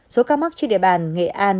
số ca mắc trên địa bàn nghệ an